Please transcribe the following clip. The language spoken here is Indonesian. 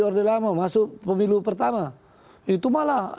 orde lama masuk pemilu pertama itu malah